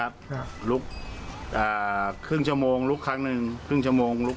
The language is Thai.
ครับลุกอ่าครึ่งชั่วโมงลุกครั้งหนึ่งครึ่งชั่วโมงลุก